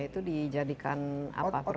itu dijadikan apa perusahaan